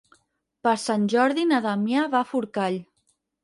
Per Sant Jordi na Damià va a Forcall.